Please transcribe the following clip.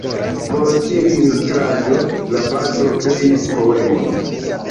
Por ĉiu ilustraĵo la patro kreis poemon.